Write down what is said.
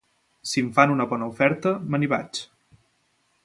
Si em fan una bona oferta, me n'hi vaig.